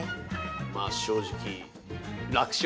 まあ正直楽勝？